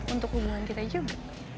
untuk hubungan kita juga